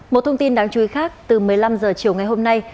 một thông tin đáng chú ý khác từ một mươi năm h chiều ngày hôm nay